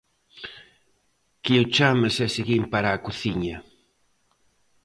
Que o chames e seguín para a cociña.